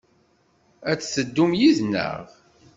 Ad teddum yid-neɣ?